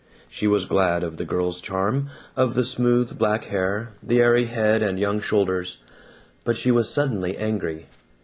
She was glad of the girl's charm, of the smooth black hair, the airy head and young shoulders. But she was suddenly angry.